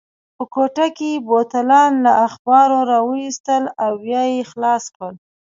په کوټه کې یې بوتلان له اخبارو راوایستل او بیا یې خلاص کړل.